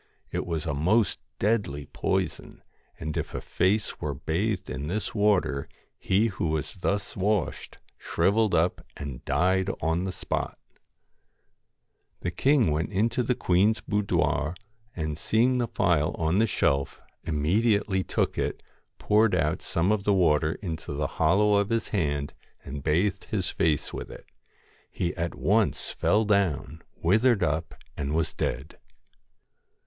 It was a most deadly poison, and if a face were bathed in this water, he who was thus washed, shrivelled up, and died on the spot The king went into the queen's boudoir, and see ing the phial on the shelf, immediately took it, E cured out some of the water into the hollow of is hand and bathed his face with it He at once fell down, withered up, and was dead.